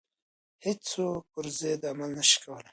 هیڅوک پر ضد عمل نه شي کولای.